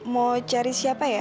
mau cari siapa ya